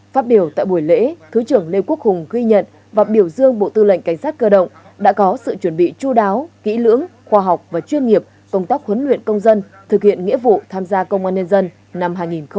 phát biểu tại buổi lễ thứ trưởng lê quốc hùng ghi nhận và biểu dương bộ tư lệnh cảnh sát cơ động đã có sự chuẩn bị chú đáo kỹ lưỡng khoa học và chuyên nghiệp công tác huấn luyện công dân thực hiện nghĩa vụ tham gia công an nhân dân năm hai nghìn hai mươi